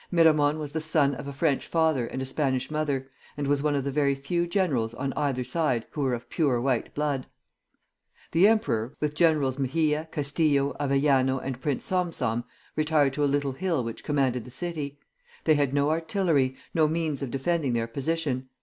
Miramon was the son of a French father and a Spanish mother, and was one of the very few generals on either side who were of pure white blood. The emperor, with Generals Mejia, Castillo, Avellano, and Prince Salm Salm, retired to a little hill which commanded the city. They had no artillery, no means of defending their position.